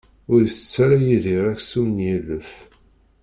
Ur itett ara Yidir aksum n yilef.